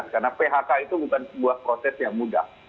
karena phk itu bukan sebuah proses yang mudah